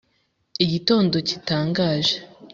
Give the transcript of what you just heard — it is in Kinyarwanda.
Igitondo gitangaje